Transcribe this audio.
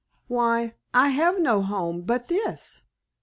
"Why, I have no home but this!"